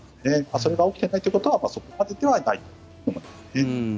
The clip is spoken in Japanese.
それが起きていないということはそこまでではないということですね。